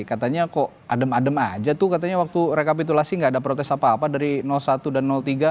katanya kok adem adem aja tuh katanya waktu rekapitulasi gak ada protes apa apa dari satu dan tiga